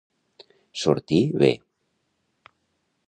Sortir bé.